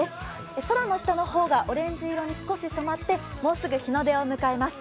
空の下の方が、オレンジ色に少し染まって、もうすぐ日の出を迎えます。